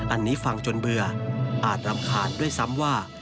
อันนี้ฟังจนเบื่ออาจรำคาญด้วยซ้ำว่า